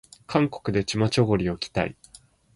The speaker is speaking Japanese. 韓国でチマチョゴリを着たい